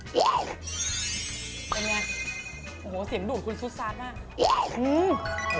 เป็นไงโอ้โหเสียงดูดคุณซุดซ้านมาก